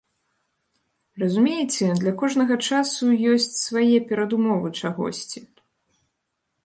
Разумееце, для кожнага часу ёсць свае перадумовы чагосьці.